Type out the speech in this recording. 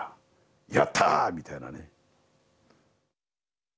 やった！みたいなね。